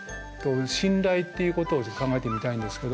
「信頼」っていうことをちょっと考えてみたいんですけど。